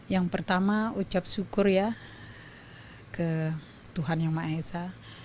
yang pertama ucap syukur ya ke tuhan yang maha esa